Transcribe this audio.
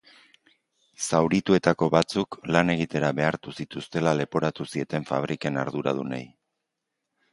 Zaurituetako batzuk lan egitera behartu zituztela leporatu zieten fabriken arduradunei.